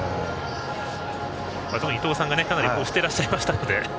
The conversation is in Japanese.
特に伊東さんが欲してらっしゃいましたので。